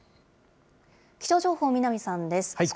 気象情報、南さんです。